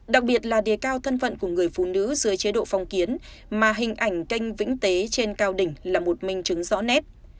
đặc biệt là đề cao thân phận của người phụ nữ dưới chế độ phong kiến mà hình ảnh canh vĩnh tế trên cao đỉnh là một minh chứng rõ nét